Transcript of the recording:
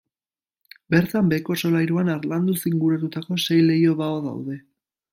Bertan, beheko solairuan, harlanduz inguratutako sei leiho-bao daude.